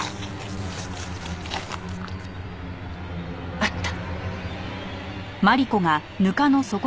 あった。